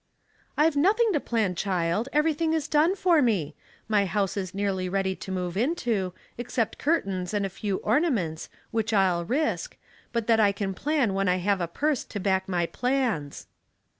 "I've nothing to plan, child, everything is done for me. My house is nearly ready to move into, except curtains and a few ornaments, which I'll risk, but that I can plan when I have a purse to back my plans."